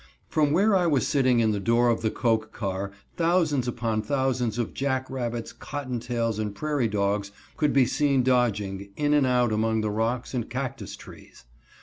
From where I was sitting in the door of the coke car thousands upon thousands of jack rabbits, cotton tails and prairie dogs could be seen dodging in and out among the rocks and cactus trees.